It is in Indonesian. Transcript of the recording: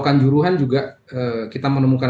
kanjuruhan juga kita menemukan